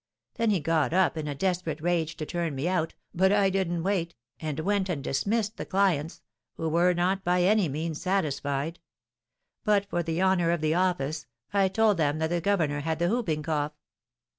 Then he got up in a desperate rage to turn me out, but I didn't wait, but went and dismissed the clients, who were not by any means satisfied; but, for the honour of the office, I told them that the governor had the whooping cough."